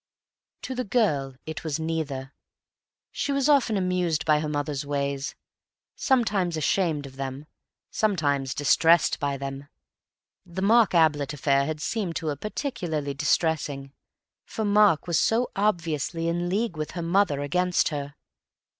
To the girl it was neither. She was often amused by her mother's ways; sometimes ashamed of them; sometimes distressed by them. The Mark Ablett affair had seemed to her particularly distressing, for Mark was so obviously in league with her mother against her.